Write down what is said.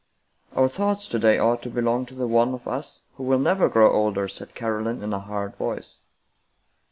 " Our thoughts to day ought to belong to the one of us who will never grow older," said Caroline in a hard voice.